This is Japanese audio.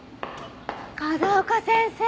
風丘先生。